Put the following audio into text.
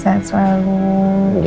saya juga bilang begitu